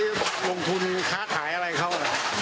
ลงทุนค้าขายอะไรเขา